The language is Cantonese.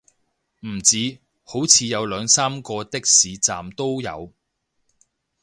唔止，好似有兩三個的士站都有